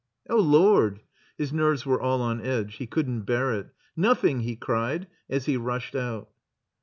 "Oh, Lord!" His nerves were all on edge. He couldn't bear it. '*Nothingr he cried, as he rushed out.